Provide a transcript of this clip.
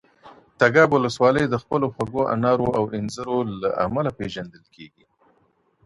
تګاب ولسوالۍ د خپلو خوږو انارو او انځرو له امله پیژندل کیږي.